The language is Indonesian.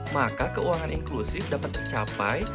maka keuangan inklusif dapat tercapai